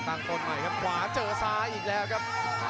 คนใหม่ครับขวาเจอซ้ายอีกแล้วครับ